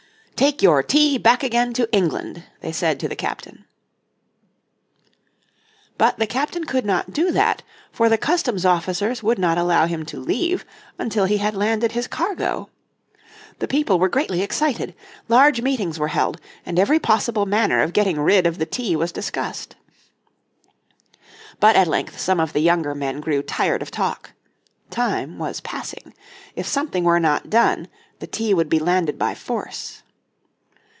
"Take your tea back again to England," they said to the captain. But the captain could not do that, for the customs officers would not allow him to leave until he had landed his cargo. The people were greatly excited. Large meetings were held, and every possible manner of getting rid of the tea was discussed. But at length some of the younger men grew tired of talk. Time was passing. If something were not done, the tea would be landed by force.